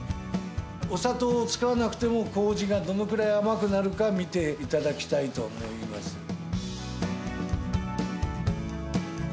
お砂糖を使わなくてもこうじがどのくらい甘くなるか見て頂きたいと思います。